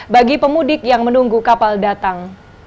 bagi pemudik yang menunggu kapal datang